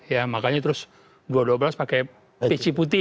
ya makanya terus dua ratus dua belas pakai pici putih